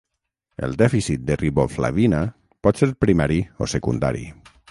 El dèficit de riboflavina pot ser primari o secundari.